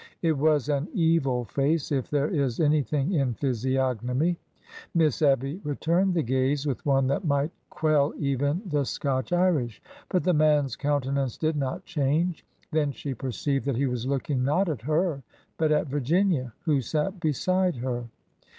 It was an evil face if there is anything in physiognomy. Miss Abby returned the gaze with one that might quell even the Scotch Irish. But the man's countenance did not change. Then she perceived that he was looking, not at her, but at Virginia, who sat beside her.